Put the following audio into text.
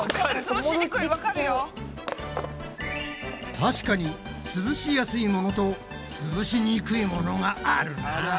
確かにつぶしやすいものとつぶしにくいものがあるなぁ。